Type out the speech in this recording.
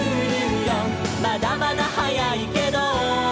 「まだまだ早いけど」